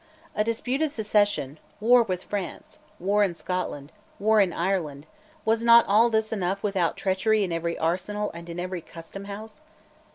A disputed succession, war with France, war in Scotland, war in Ireland, was not all this enough without treachery in every arsenal and in every custom house?